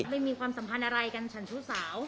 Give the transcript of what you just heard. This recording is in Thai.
ไม่มีความสัมพันธ์อะไรกันฉันชู้สาว